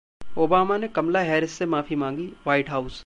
Obama ने Kamala Harris से माफी मांगी: व्हाइट हाउस